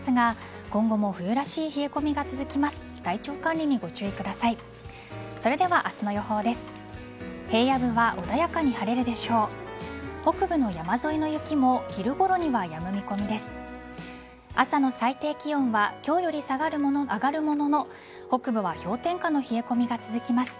朝の最低気温は今日より上がるものの北部は氷点下の冷え込みが続きます。